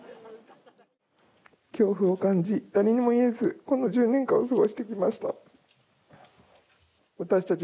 恐怖を感じ、誰にも言えずこの１０年間を過ごしてきました。